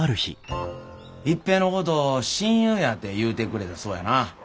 一平のこと親友やて言うてくれたそやな。